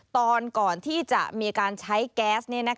ตอนก่อนที่จะมีการใช้แก๊ส